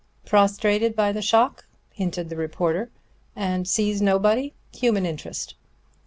"Prostrated by the shock," hinted the reporter, "and sees nobody. Human interest."